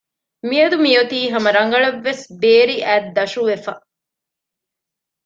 މިއަދު މިއޮތީ ހަމަ ރަނގަޅަށް ވެސް ބޭރި އަތްދަށުވެފަ